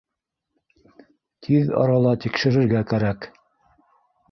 — Тиҙ арала тикшерергә кәрәк